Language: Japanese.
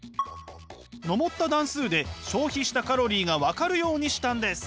上った段数で消費したカロリーが分かるようにしたんです。